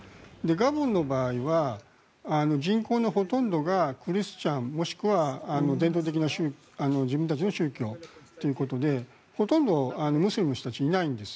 ガボンの場合は人口のほとんどがクリスチャンもしくは伝統的な自分たちの宗教ということでほとんどムスリムの人たちはいないんです。